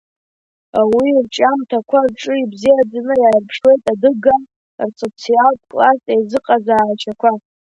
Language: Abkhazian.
Уи ирҿиамҭақәа рҿы ибзиаӡаны иааирԥшуеит адыгаа рсоциалтә класстә еизыҟазаашьақәа.